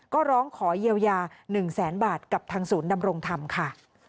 ก็ร้องขอเยียวยา๑แสนบาทกับทางศูนย์ดำรงธรรมค่ะ